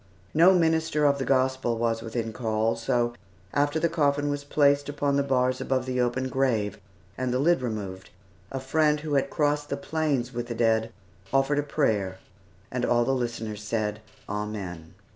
No minister of the Gospel was within call, so, after the coffin was placed upon the bars above the open grave, and the lid removed, a friend who had crossed the plains with the dead, offered a prayer, and all the listeners said, "Amen."